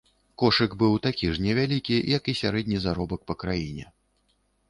Кошык быў такі ж невялікі, як і сярэдні заробак па краіне.